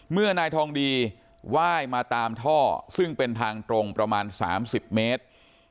นายทองดีไหว้มาตามท่อซึ่งเป็นทางตรงประมาณ๓๐เมตร